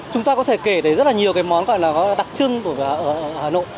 chúng ta có thể kể đến rất nhiều món đặc trưng của hà nội